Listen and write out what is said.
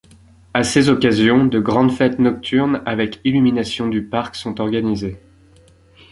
À ces occasions, de grandes fêtes nocturnes avec illumination du parc sont organisées.